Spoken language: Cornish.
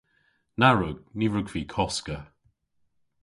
Na wrug. Ny wrug vy koska.